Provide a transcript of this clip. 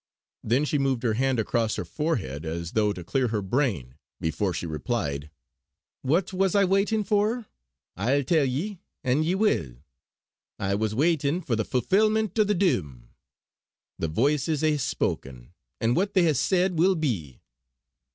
Then she moved her hand across her forehead, as though to clear her brain, before she replied: "What was I waitin' for? I'll tell ye, an ye will. I was waitin' for the fulfillment o' the Doom. The Voices hae spoken; and what they hae said, will be.